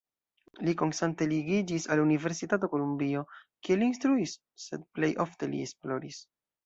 Li konstante ligiĝis al Universitato Kolumbio, kie li instruis, sed plej ofte li esploris.